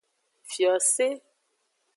Fiose.